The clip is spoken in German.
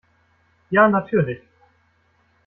Ja, natürlich!